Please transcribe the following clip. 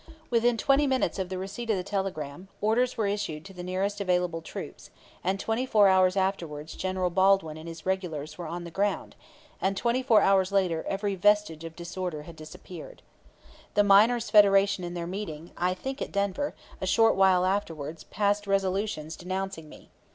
Within twenty minutes of the receipt of the telegram, orders were issued to the nearest available troops, and twenty four hours afterwards General Baldwin and his regulars were on the ground, and twenty four hours later every vestige of disorder had disappeared. The Miners' Federation in their meeting, I think at Denver, a short while afterwards, passed resolutions denouncing me.